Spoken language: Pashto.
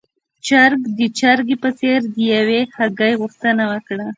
چرګ د چرګې په څېر د يوې هګۍ غوښتنه وکړه.